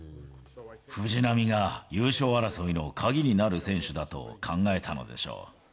藤浪が優勝争いの鍵になる選手だと考えたのでしょう。